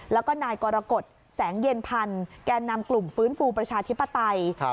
แล้วก็นายกรกฎแสงเย็นพันธ์แก่นำกลุ่มฟื้นฟูประชาธิปไตย